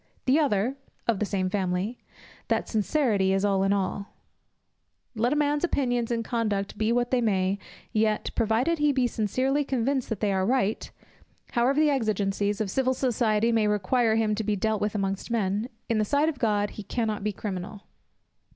The other (of the same family) that sincerity is all in all. Let a man's opinions and conduct be what they may, yet, provided he be sincerely convinced that they are right, however the exigencies of civil society may require him to be dealt with amongst men, in the sight of God he cannot be criminal.